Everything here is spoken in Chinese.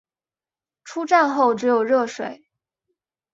出站后只有热水